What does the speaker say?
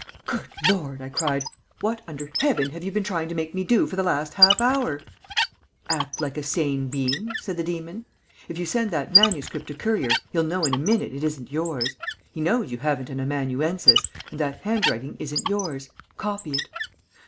"Good Lord!" I cried. "What under heaven have you been trying to make me do for the last half hour?" "Act like a sane being," said the demon. "If you send that manuscript to Currier he'll know in a minute it isn't yours. He knows you haven't an amanuensis, and that handwriting isn't yours. Copy it."